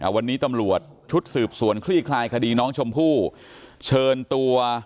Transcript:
วันนี้ตำรวจชุดสืบสวนคลี่คลายคดีน้องชมพู่เชิญตัว